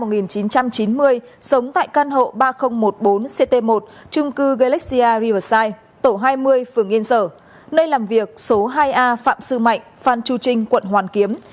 bệnh nhân trên sinh năm một nghìn chín trăm chín mươi sống tại căn hộ ba nghìn một mươi bốn ct một trung cư galaxy riverside tổ hai mươi phường yên sở nơi làm việc số hai a phạm sư mạnh phan chu trinh quận hoàn kiếm